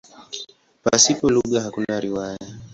Pasipo lugha hakuna riwaya.